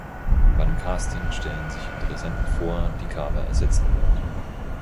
Bei einem Casting stellen sich Interessenten vor, die Carver ersetzen wollen.